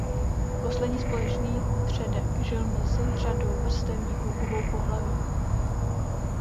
Poslední společný předek žil mezi řadou vrstevníků obou pohlaví.